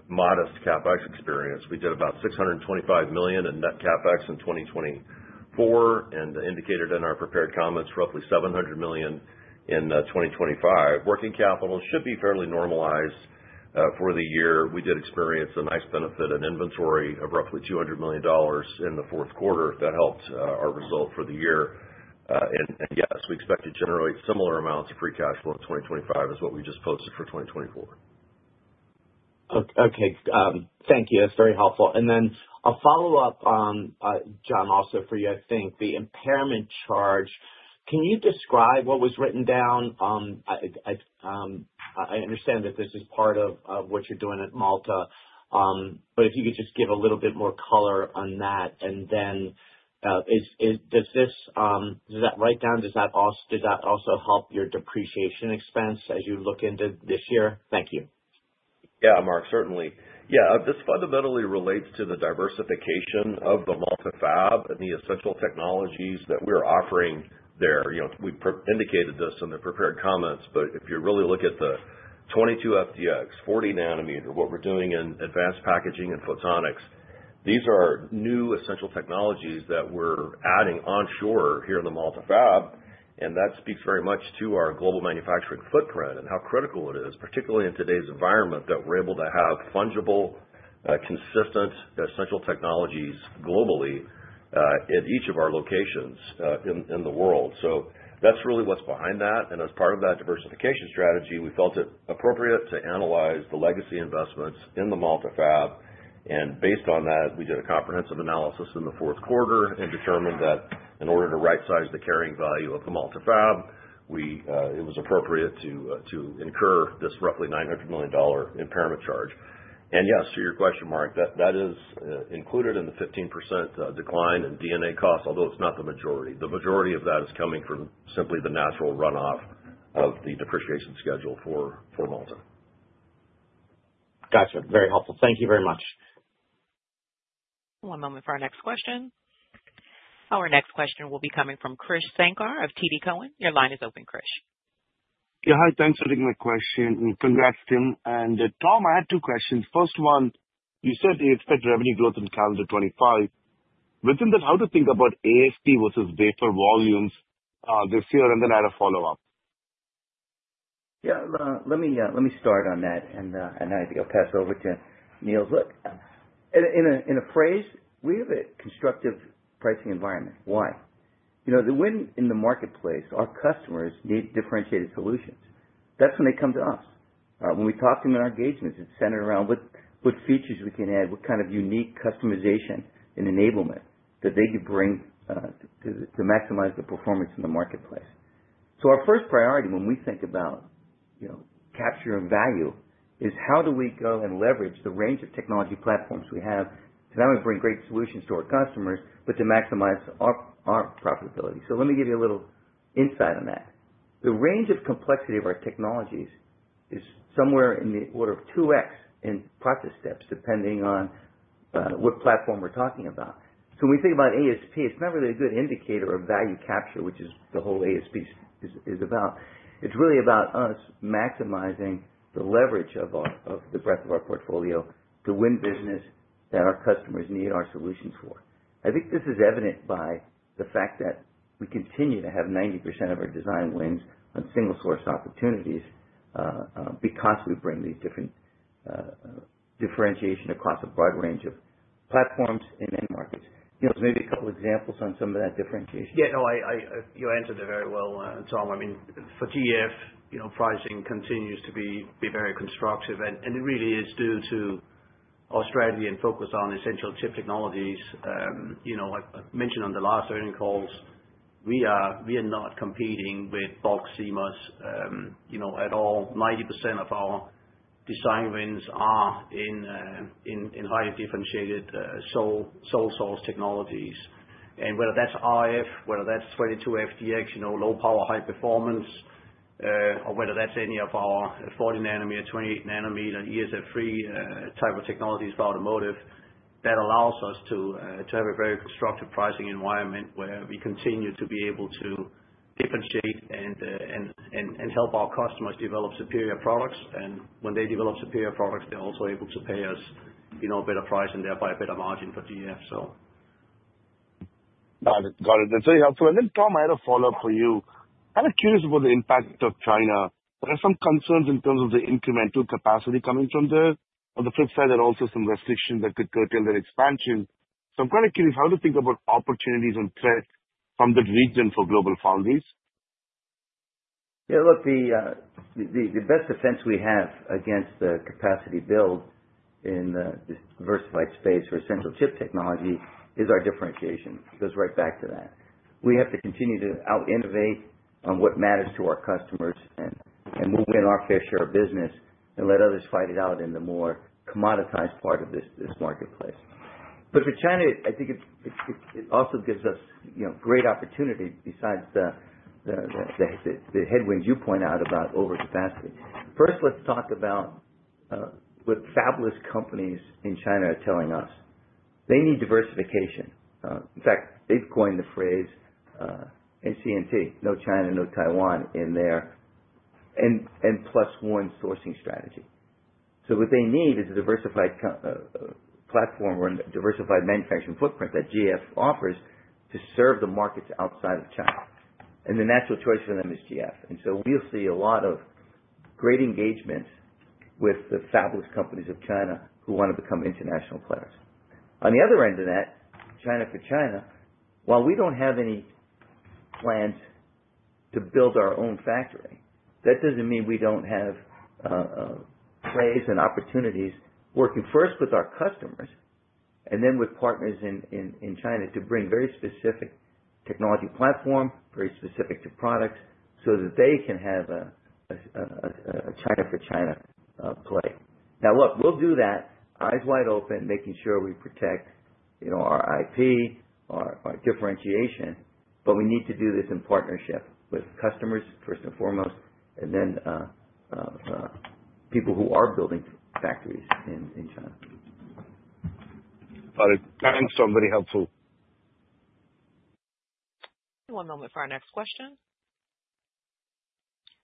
modest CapEx experience. We did about $625 million in net CapEx in 2024, and indicated in our prepared comments roughly $700 million in 2025. Working capital should be fairly normalized for the year. We did experience a nice benefit in inventory of roughly $200 million in the fourth quarter. That helped our result for the year. And yes, we expect to generate similar amounts of free cash flow in 2025 is what we just posted for 2024. Okay. Thank you. That's very helpful. And then a follow-up, John, also for you, I think, the impairment charge. Can you describe what was written down? I understand that this is part of what you're doing at Malta, but if you could just give a little bit more color on that. And then does that write down, does that also help your depreciation expense as you look into this year? Thank you. Yeah, Mark, certainly. Yeah, this fundamentally relates to the diversification of the Malta fab and the essential technologies that we're offering there. We've indicated this in the prepared comments, but if you really look at the 22FDX, 40 nm, what we're doing in advanced packaging and photonics, these are new essential technologies that we're adding onshore here in the Malta fab, and that speaks very much to our global manufacturing footprint and how critical it is, particularly in today's environment, that we're able to have fungible, consistent essential technologies globally at each of our locations in the world. So that's really what's behind that. And as part of that diversification strategy, we felt it appropriate to analyze the legacy investments in the Malta fab, and based on that, we did a comprehensive analysis in the fourth quarter and determined that in order to right-size the carrying value of the Malta fab, it was appropriate to incur this roughly $900 million impairment charge. And yes, to your question, Mark, that is included in the 15% decline in D&A costs, although it's not the majority. The majority of that is coming from simply the natural runoff of the depreciation schedule for Malta. Gotcha. Very helpful. Thank you very much. One moment for our next question. Our next question will be coming from Krish Sankar of TD Cowen. Your line is open, Krish. Yeah, hi. Thanks for taking my question. Congrats, Tim. And Tom, I had two questions. First one, you said you expect revenue growth in calendar 2025. Within that, how to think about ASP versus wafer volumes this year, and then add a follow-up. Yeah, let me start on that, and I think I'll pass it over to Niels. That's when they come to us. When we talk to them in our engagements, it's centered around what features we can add, what kind of unique customization and enablement that they could bring to maximize the performance in the marketplace. So our first priority when we think about capturing value is how do we go and leverage the range of technology platforms we have to not only bring great solutions to our customers, but to maximize our profitability. So let me give you a little insight on that. The range of complexity of our technologies is somewhere in the order of 2x in process steps, depending on what platform we're talking about. So when we think about ASP, it's not really a good indicator of value capture, which is the whole ASP is about. It's really about us maximizing the leverage of the breadth of our portfolio to win business that our customers need our solutions for. I think this is evident by the fact that we continue to have 90% of our design wins on single-source opportunities because we bring these different differentiation across a broad range of platforms and end markets. Niels, maybe a couple of examples on some of that differentiation. Yeah, no, you answered it very well, Tom. I mean, for GF, pricing continues to be very constructive, and it really is due to our strategy and focus on essential chip technologies. I've mentioned on the last earnings calls, we are not competing with bulk CMOS at all. 90% of our design wins are in highly differentiated sole-source technologies. And whether that's RF, whether that's 22FDX, low power, high performance, or whether that's any of our 40-nm, 28-nm, ESF3 type of technologies for automotive, that allows us to have a very constructive pricing environment where we continue to be able to differentiate and help our customers develop superior products. And when they develop superior products, they're also able to pay us a better price and thereby a better margin for GF, so. Got it. Got it. That's very helpful. And then, Tom, I had a follow-up for you. I'm curious about the impact of China. There are some concerns in terms of the incremental capacity coming from there. On the flip side, there are also some restrictions that could curtail their expansion. So I'm kind of curious how to think about opportunities and threats from that region for GlobalFoundries. Yeah, look, the best defense we have against the capacity build in this diversified space for essential chip technology is our differentiation. It goes right back to that. We have to continue to out-innovate on what matters to our customers and win our fair share of business and let others fight it out in the more commoditized part of this marketplace. But for China, I think it also gives us great opportunity besides the headwinds you point out about overcapacity. First, let's talk about what fabless companies in China are telling us. They need diversification. In fact, they've coined the phrase NCNT, no China, no Taiwan, in their N+1 sourcing strategy. So what they need is a diversified platform or a diversified manufacturing footprint that GF offers to serve the markets outside of China. And the natural choice for them is GF. And so we'll see a lot of great engagements with the fabless companies of China who want to become international players. On the other end of that, China for China, while we don't have any plans to build our own factory, that doesn't mean we don't have plays and opportunities working first with our customers and then with partners in China to bring very specific technology platform, very specific to products so that they can have a China-for-China play. Now, look, we'll do that eyes wide open, making sure we protect our IP, our differentiation, but we need to do this in partnership with customers first and foremost, and then people who are building factories in China. Got it. Thanks, Tom. Very helpful. One moment for our next question.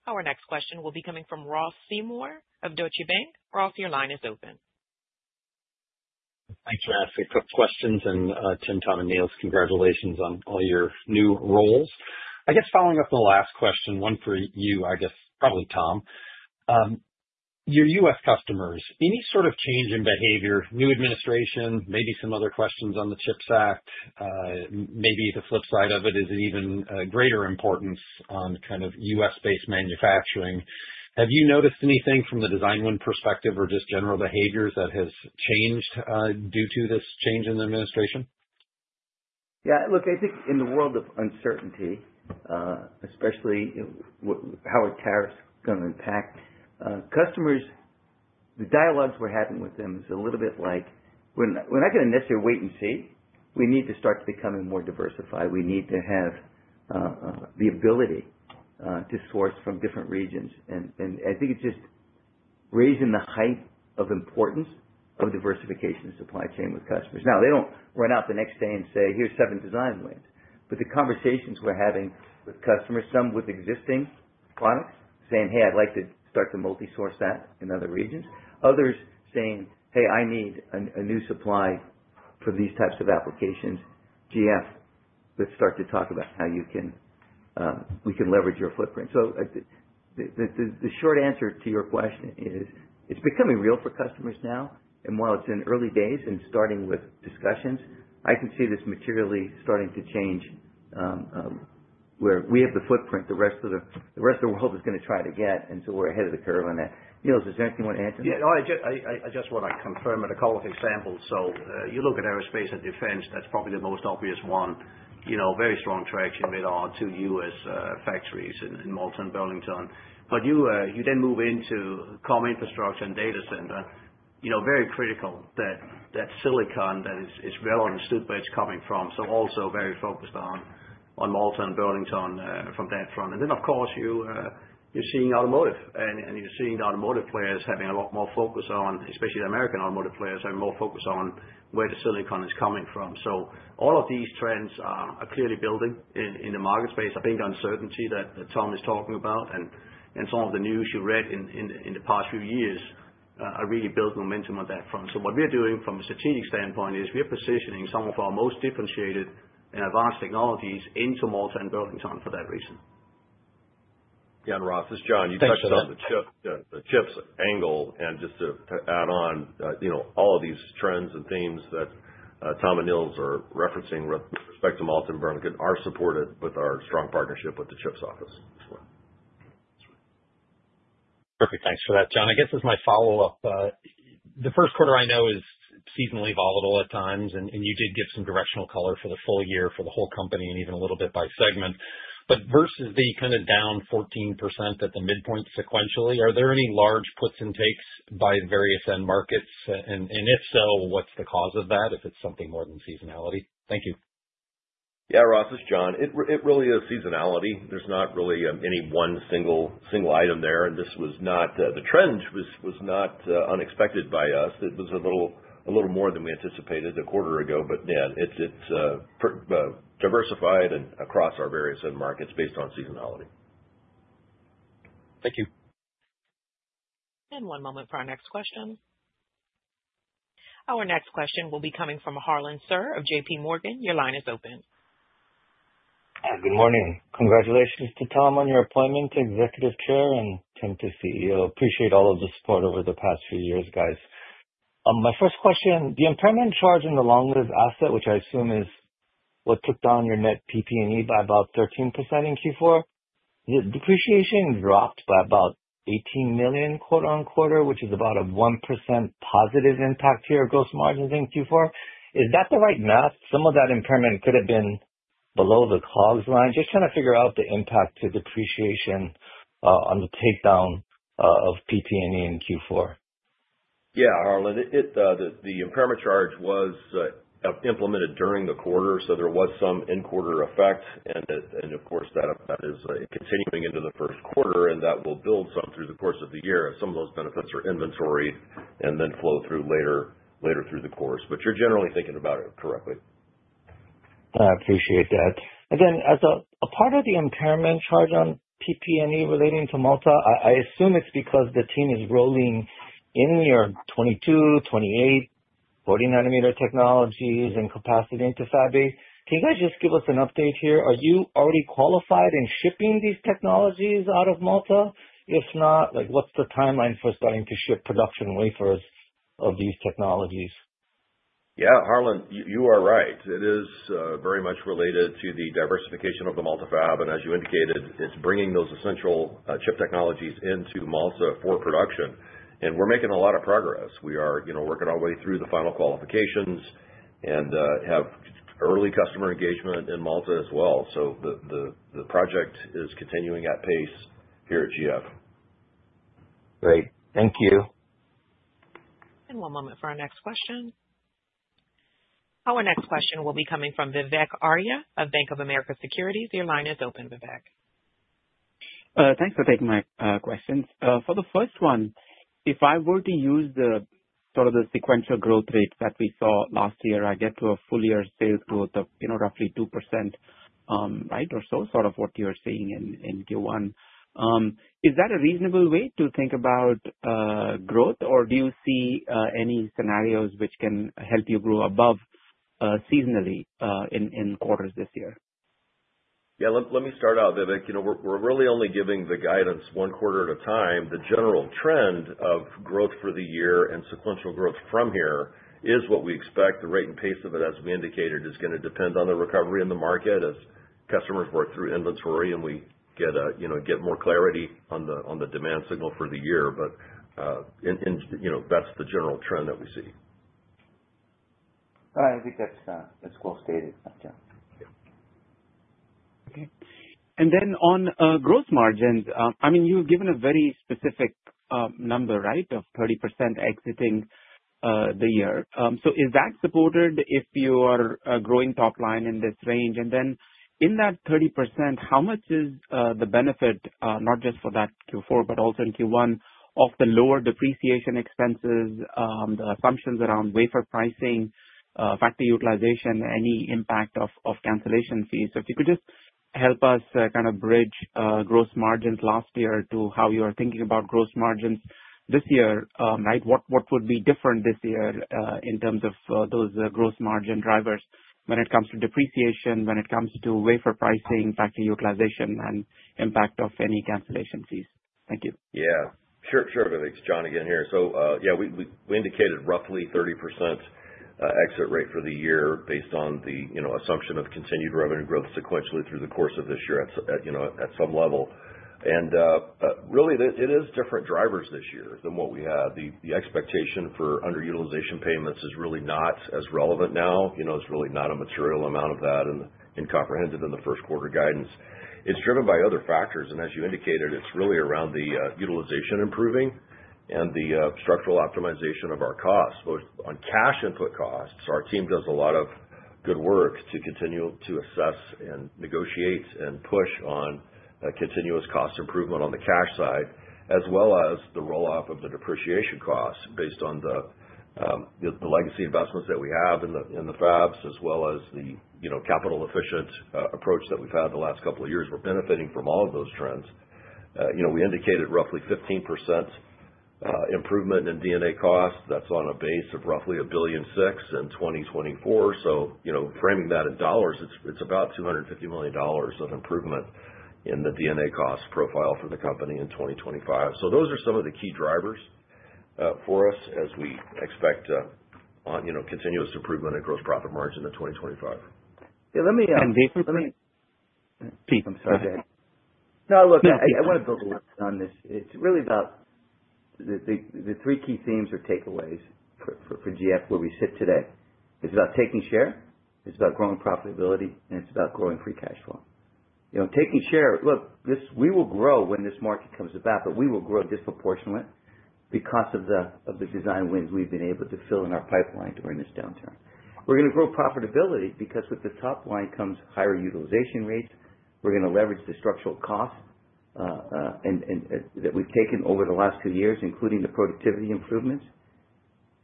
Our next question will be coming from Ross Seymore of Deutsche Bank. Ross, your line is open. Thanks for that. Few quick questions, and Tim, Tom, and Niels, congratulations on all your new roles. I guess following up on the last question, one for you, I guess, probably Tom. Your U.S. customers, any sort of change in behavior, new administration, maybe some other questions on the CHIPS Act, maybe the flip side of it is even greater importance on kind of U.S.-based manufacturing. Have you noticed anything from the design win perspective or just general behaviors that has changed due to this change in the administration? Yeah. Look, I think in the world of uncertainty, especially how are tariffs going to impact customers, the dialogues we're having with them is a little bit like, "We're not going to necessarily wait and see. We need to start to become more diversified. We need to have the ability to source from different regions," and I think it's just raising the height of importance of diversification of supply chain with customers. Now, they don't run out the next day and say, "Here's seven design wins." But the conversations we're having with customers, some with existing products saying, "Hey, I'd like to start to multi-source that in other regions." Others saying, "Hey, I need a new supply for these types of applications. GF, let's start to talk about how we can leverage your footprint." So the short answer to your question is it's becoming real for customers now, and while it's in early days and starting with discussions, I can see this materially starting to change where we have the footprint the rest of the world is going to try to get, and so we're ahead of the curve on that. Niels, is there anything you want to add to that? Yeah. I just want to confirm a couple of examples. So you look at aerospace and defense, that's probably the most obvious one. Very strong traction with our two U.S. factories in Malta and Burlington. But you then move into Comm Infrastructure and Data Center. Very critical that silicon that is well understood where it's coming from. So also very focused on Malta and Burlington from that front. And then, of course, you're seeing automotive, and you're seeing the automotive players having a lot more focus on, especially the American automotive players having more focus on where the silicon is coming from. So all of these trends are clearly building in the market space. I think uncertainty that Tom is talking about and some of the news you read in the past few years are really building momentum on that front, so what we're doing from a strategic standpoint is we're positioning some of our most differentiated and advanced technologies into Malta and Burlington for that reason. Yeah, and Ross, this is John. You touched on the CHIPS angle, and just to add on, all of these trends and themes that Tom and Niels are referencing with respect to Malta and Burlington are supported with our strong partnership with the CHIPS office. Perfect. Thanks for that, John. I guess this is my follow-up. The first quarter, I know, is seasonally volatile at times, and you did give some directional color for the full year for the whole company and even a little bit by segment. But versus the kind of down 14% at the midpoint sequentially, are there any large puts and takes by the various end markets? And if so, what's the cause of that if it's something more than seasonality? Thank you. Yeah, Ross, this is John. It really is seasonality. There's not really any one single item there. And this was not. The trend was not unexpected by us. It was a little more than we anticipated a quarter ago. But yeah, it's diversified across our various end markets based on seasonality. Thank you. And one moment for our next question. Our next question will be coming from Harlan Sur of JPMorgan. Your line is open. Good morning. Congratulations to Tom on your appointment to Executive Chairman and Tim to CEO. Appreciate all of the support over the past few years, guys. My first question, the impairment charge in the long-lived asset, which I assume is what took down your net PP&E by about 13% in Q4, the depreciation dropped by about $18 million quarter-on-quarter, which is about a 1% positive impact here of gross margins in Q4. Is that the right math? Some of that impairment could have been below the COGS line. Just trying to figure out the impact to depreciation on the takedown of PP&E in Q4. Yeah, Harlan, the impairment charge was implemented during the quarter, so there was some in-quarter effect. And of course, that is continuing into the first quarter, and that will build some through the course of the year. Some of those benefits are inventory and then flow through later through the course. But you're generally thinking about it correctly. I appreciate that. Again, as a part of the impairment charge on PP&E relating to Malta, I assume it's because the team is rolling in your 22, 28, 40-nm technologies and capacity into Fab 8. Can you guys just give us an update here? Are you already qualified in shipping these technologies out of Malta? If not, what's the timeline for starting to ship production wafers of these technologies? Yeah, Harlan, you are right. It is very much related to the diversification of the Malta fab. And as you indicated, it's bringing those essential chip technologies into Malta for production. And we're making a lot of progress. We are working our way through the final qualifications and have early customer engagement in Malta as well. So the project is continuing at pace here at GF. Great. Thank you. And one moment for our next question. Our next question will be coming from Vivek Arya of Bank of America Securities. Your line is open, Vivek. Thanks for taking my questions. For the first one, if I were to use the sort of the sequential growth rate that we saw last year, I get to a full-year sales growth of roughly 2%, right, or so, sort of what you're seeing in Q1. Is that a reasonable way to think about growth, or do you see any scenarios which can help you grow above seasonally in quarters this year? Yeah, let me start out, Vivek. We're really only giving the guidance one quarter at a time. The general trend of growth for the year and sequential growth from here is what we expect. The rate and pace of it, as we indicated, is going to depend on the recovery in the market as customers work through inventory and we get more clarity on the demand signal for the year. But that's the general trend that we see. I think that's well stated, John. And then on gross margins, I mean, you've given a very specific number, right, of 30% exiting the year. So is that supported if you are growing top line in this range? And then in that 30%, how much is the benefit, not just for that Q4, but also in Q1, of the lower depreciation expenses, the assumptions around wafer pricing, factory utilization, any impact of cancellation fees? If you could just help us kind of bridge gross margins last year to how you are thinking about gross margins this year, right, what would be different this year in terms of those gross margin drivers when it comes to depreciation, when it comes to wafer pricing, factory utilization, and impact of any cancellation fees? Thank you. Yeah. Sure, sure. It's John again here, so yeah, we indicated roughly 30% exit rate for the year based on the assumption of continued revenue growth sequentially through the course of this year at some level, and really, it is different drivers this year than what we had. The expectation for underutilization payments is really not as relevant now. It's really not a material amount of that and comprehended in the first quarter guidance. It's driven by other factors. As you indicated, it's really around the utilization improving and the structural optimization of our costs on cash input costs. Our team does a lot of good work to continue to assess and negotiate and push on continuous cost improvement on the cash side, as well as the roll-off of the depreciation costs based on the legacy investments that we have in the fabs, as well as the capital-efficient approach that we've had the last couple of years. We're benefiting from all of those trends. We indicated roughly 15% improvement in D&A costs. That's on a base of roughly $1.6 billion in 2024. Framing that in dollars, it's about $250 million of improvement in the D&A cost profile for the company in 2025. Those are some of the key drivers for us as we expect continuous improvement in gross profit margin in 2025. Yeah. Let Now, look, I want to build a little bit on this. It's really about the three key themes or takeaways for GF where we sit today. It's about taking share, it's about growing profitability, and it's about growing free cash flow. Taking share, look, we will grow when this market comes about, but we will grow disproportionately because of the design wins we've been able to fill in our pipeline during this downturn. We're going to grow profitability because with the top line comes higher utilization rates. We're going to leverage the structural cost that we've taken over the last two years, including the productivity improvements,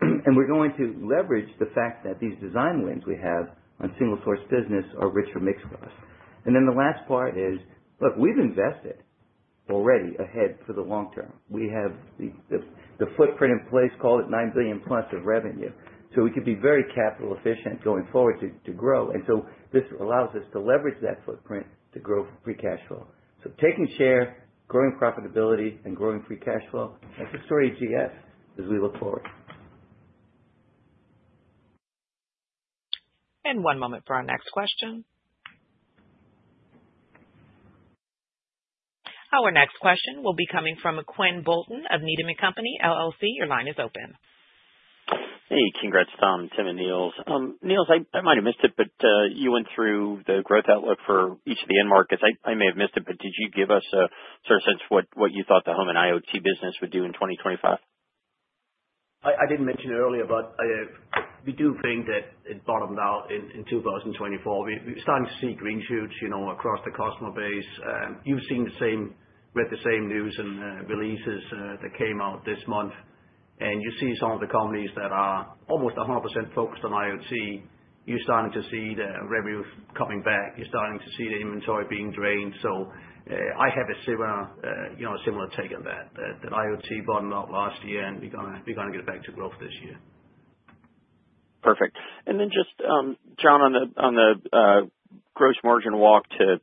and we're going to leverage the fact that these design wins we have on single-source business are richer mix for us, and then the last part is, look, we've invested already ahead for the long term. We have the footprint in place, call it $9 billion plus of revenue, so we could be very capital-efficient going forward to grow. This allows us to leverage that footprint to grow free cash flow. Taking share, growing profitability, and growing free cash flow, that's the story of GF as we look forward. And one moment for our next question. Our next question will be coming from Quinn Bolton of Needham & Company LLC. Your line is open. Hey, congrats, Tom, Tim, and Niels. Niels, I might have missed it, but you went through the growth outlook for each of the end markets. I may have missed it, but did you give us a sort of sense of what you thought the home and IoT business would do in 2025? I didn't mention it earlier, but we do think that it bottomed out in 2024. We're starting to see green shoots across the customer base. You've seen the same, read the same news and releases that came out this month. And you see some of the companies that are almost 100% focused on IoT. You're starting to see the revenue coming back. You're starting to see the inventory being drained. So I have a similar take on that, that IoT bottomed out last year, and we're going to get back to growth this year. Perfect. And then just, John, on the gross margin walk to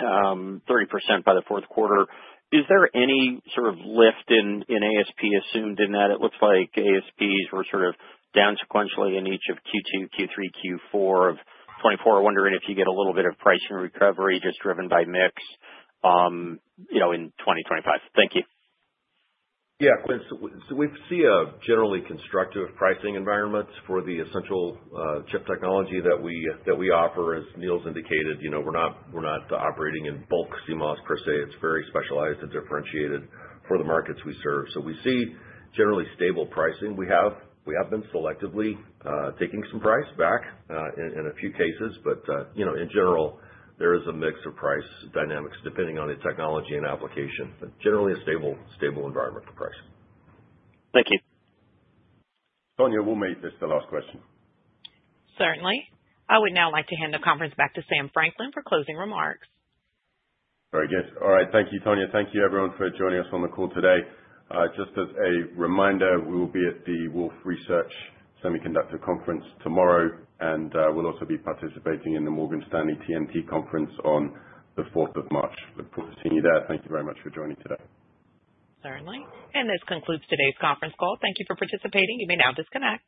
30% by the fourth quarter, is there any sort of lift in ASP assumed in that? It looks like ASPs were sort of down sequentially in each of Q2, Q3, Q4 of 2024. I wonder if you get a little bit of pricing recovery just driven by mix in 2025. Thank you. Yeah. So we see a generally constructive pricing environment for the essential chip technology that we offer. As Niels indicated, we're not operating in bulk CMOS per se. It's very specialized and differentiated for the markets we serve. So we see generally stable pricing. We have been selectively taking some price back in a few cases. But in general, there is a mix of price dynamics depending on the technology and application. But generally, a stable environment for pricing. Thank you. Tonya, we'll make this the last question. Certainly. I would now like to hand the conference back to Sam Franklin for closing remarks. Very good. All right. Thank you, Tonya. Thank you, everyone, for joining us on the call today. Just as a reminder, we will be at the Wolfe Research Semiconductor Conference tomorrow. And we'll also be participating in the Morgan Stanley TMT Conference on the 4th of March. Look forward to seeing you there. Thank you very much for joining today. Certainly. And this concludes today's conference call. Thank you for participating. You may now disconnect.